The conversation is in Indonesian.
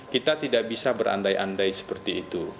kita tidak bisa berandai andai seperti itu